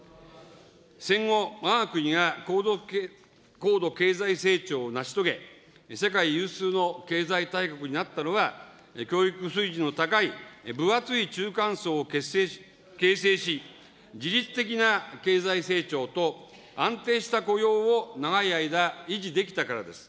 戦後、わが国が高度経済成長を成し遂げ、世界有数の経済大国になったのは、教育水準の高い分厚い中間層を形成し、自律的な経済成長と安定した雇用を長い間、維持できたからです。